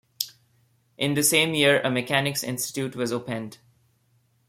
In the same year, a Mechanics' Institute was opened.